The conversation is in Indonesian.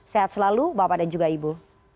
sehat selalu bapak dan juga ibu